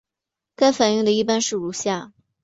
该反应的一般式如下。